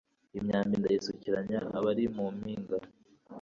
imyambi ndayisukiranya abari mu mpinga